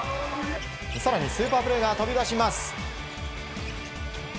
更にスーパープレーが飛び出します。